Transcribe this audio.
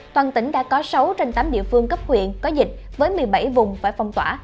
toàn tỉnh đã có sáu trên tám địa phương cấp huyện có dịch với một mươi bảy vùng phải phong tỏa